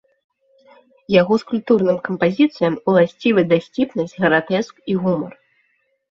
Яго скульптурным кампазіцыям уласцівы дасціпнасць, гратэск і гумар.